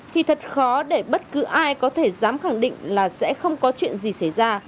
thì thật khó để bất cứ ai có thể dám khẳng định là sẽ không có chuyện gì xảy ra